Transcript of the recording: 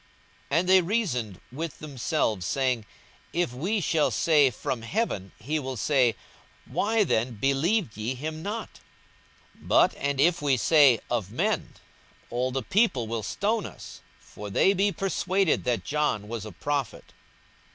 42:020:005 And they reasoned with themselves, saying, If we shall say, From heaven; he will say, Why then believed ye him not? 42:020:006 But and if we say, Of men; all the people will stone us: for they be persuaded that John was a prophet.